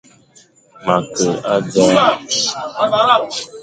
Ma ke a dzaʼa.